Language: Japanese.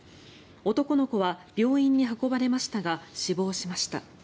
男の子は病院に運ばれましたが死亡しました。